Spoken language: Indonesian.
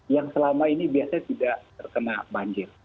yang selama ini biasanya tidak terkena banjir